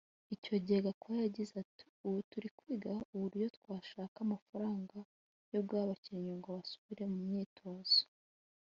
Icyo gihe Gakwaya yagize ati “ubu turi kwiga uburyo twashaka amafaranga yo guha abakinnyi ngo basubire mu myitozo